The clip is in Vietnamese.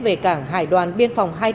về cảng hải đoàn biên phòng hai mươi tám